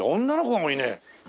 女の子が多いね。